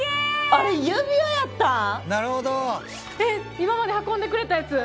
今まで運んでくれたやつ？